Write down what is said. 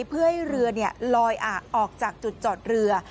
เพื่อให้เรือลอยออกจากจุดจอดเรือ